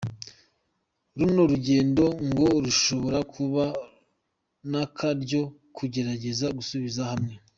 Runo rugendo ngo rushobora kuba n'akaryo ko kugerageza gusubiza hamwe.